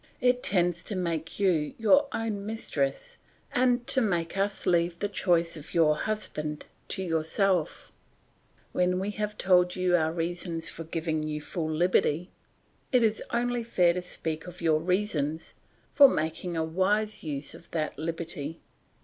It tends to make you your own mistress and to make us leave the choice of your husband to yourself. "When we have told you our reasons for giving you full liberty, it is only fair to speak of your reasons for making a wise use of that liberty.